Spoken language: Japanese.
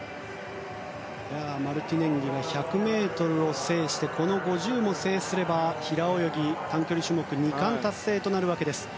マルティネンギが１００ｍを制してこの５０も制すれば平泳ぎ、短距離種目２冠達成となるわけです。